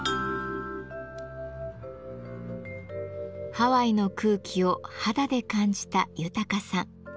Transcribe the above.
ハワイの空気を肌で感じた豊さん。